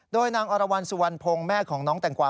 โดยนางอรวรรณสุวรรณพงศ์แม่ของน้องแตงกวา